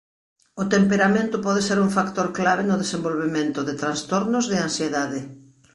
O temperamento pode ser un factor clave no desenvolvemento de trastornos de ansiedade.